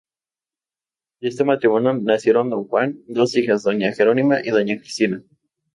De este matrimonio nacieron don Juan y dos hijas, doña Jerónima y doña Cristina.